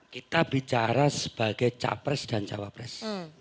kita bicara sebagai capres dan cawapres